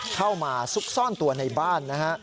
ซุกซ่อนตัวในบ้านนะฮะ